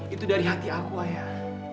itu dari hati aku ayah